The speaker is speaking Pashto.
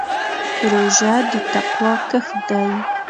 روژه د تقوا کښت دی.